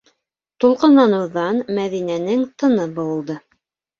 - Тулҡынланыуҙан Мәҙинәнең тыны быуылды.